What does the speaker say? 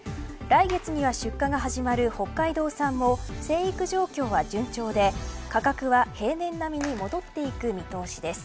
来月には出荷が始まる北海道産も生育状況は順調で価格は平年並みに戻っていく見通しです。